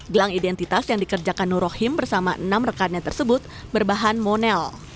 gelang identitas yang dikerjakan nur rohim bersama enam rekannya tersebut berbahan monel